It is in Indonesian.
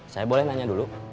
saya boleh nanya dulu